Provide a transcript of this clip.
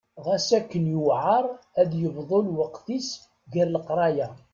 Ɣas akken yuɛer ad yebḍu lweqt-is gar leqraya.